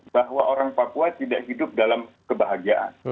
bahwa orang papua tidak hidup dalam kebahagiaan